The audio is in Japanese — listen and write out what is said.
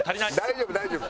大丈夫大丈夫。